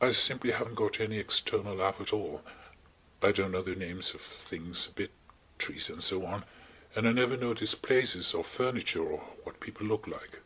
"I simply haven't got any external life at all. I don't know the names of things a bit–trees and so on–and I never notice places or furniture or what people look like.